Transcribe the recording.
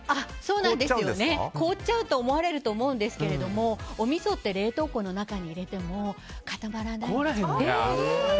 凍っちゃうと思われると思うんですけどおみそって冷凍庫の中に入れても固まらないんです。